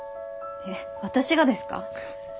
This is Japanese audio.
えっ私がですか？